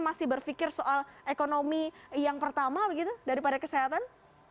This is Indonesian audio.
masih berpikir soal ekonomi yang pertama begitu daripada kesehatan